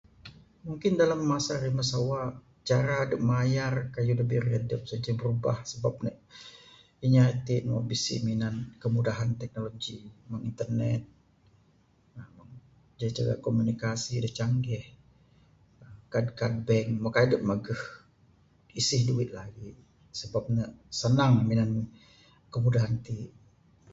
Mungkin dalam masa rimeh sawa, cara da mayar kayuh da birih adep sien inceh brubah sabab inya iti ne meh bisi minan kemudahan teknologi meng internet uhh, jaji da komunikasi da canggih, kad kad bank meh kaik adep mageh isih duit lagi, sebab ne senang minan kemudahan ti.